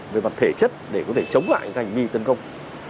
về mặt thể chất để có thể chống lại hành vi tấn công